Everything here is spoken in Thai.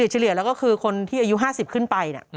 เฉลี่ยแล้วก็คือคนที่อายุ๕๐ขึ้นไป